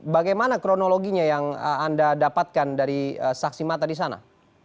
bagaimana kronologinya yang anda dapatkan dari saksi mata di sana